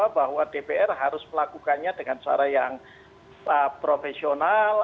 bahwa dpr harus melakukannya dengan cara yang profesional